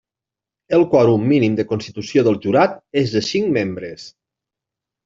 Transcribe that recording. El quòrum mínim de constitució del jurat és de cinc membres.